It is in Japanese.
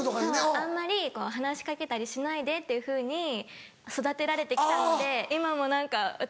あんまり話し掛けたりしないでっていうふうに育てられて来たので今も何か私